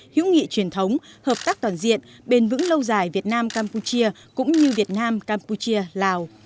hữu nghị truyền thống hợp tác toàn diện bền vững lâu dài việt nam campuchia cũng như việt nam campuchia lào